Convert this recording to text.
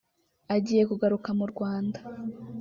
Agiye kugaruka mu Rwanda